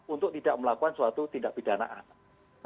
untuk tidak melakukan suatu tindak pidana anak